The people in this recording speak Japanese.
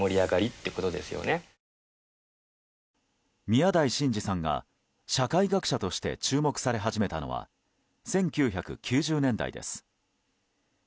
宮台真司さんが社会学者として注目され始めたのは１９９０年代です。